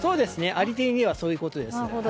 ありていにはそういうことです。